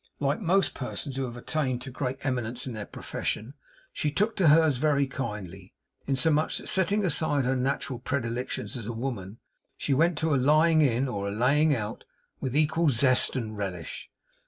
Like most persons who have attained to great eminence in their profession, she took to hers very kindly; insomuch that, setting aside her natural predilections as a woman, she went to a lying in or a laying out with equal zest and relish.